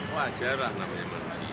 wajar lah namanya manusia